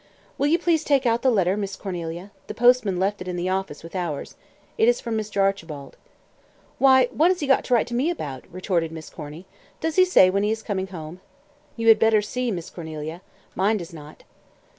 "Will you please take the letter, Miss Cornelia? The postman left it in the office with ours. It is from Mr. Archibald." "Why, what has he got to write to me about?" retorted Miss Corny. "Does he say when he is coming home?" "You had better see, Miss Cornelia. Mine does not."